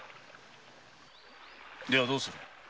ではどうする？